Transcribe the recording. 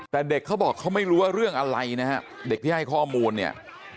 แต่เด็กเขาบอกเขาไม่รู้ว่าเรื่องอะไรนะฮะเด็กที่ให้ข้อมูลเนี่ย